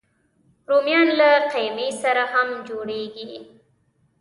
رومیان له قیمې سره هم جوړېږي